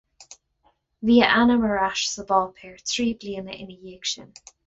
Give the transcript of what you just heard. Bhí a ainm ar ais sa bpáipéar trí bliana ina dhiaidh sin.